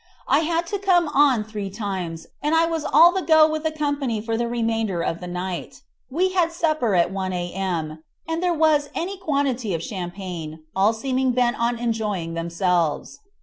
I had to come on three times, and I was all the go with the company for the remainder of the night. We had supper at 1 a.m., and there was any quantity of champagne, all seeming bent on enjoying themselves.